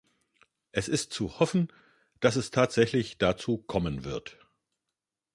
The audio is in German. Es ist zu hoffen, dass es tatsächlich dazu kommen wird.